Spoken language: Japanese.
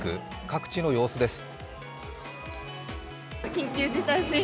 各地の様子です。